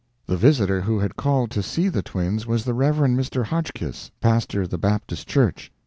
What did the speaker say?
The visitor who had called to see the twins was the Rev. Mr. Hotchkiss, pastor of the Baptist church.